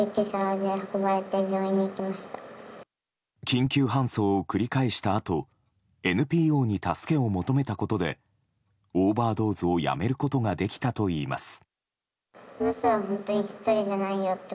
緊急搬送を繰り返したあとＮＰＯに助けを求めたことでオーバードーズをやめることができたといいます。